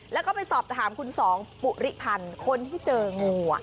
แล้วก็ไปสอบถามคุณสองปุริพันธ์คนที่เจองู